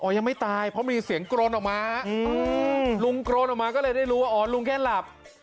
ยังไม่ตายเพราะมีเสียงโกรนออกมาลุงกรนออกมาก็เลยได้รู้ว่าอ๋อลุงแค่หลับ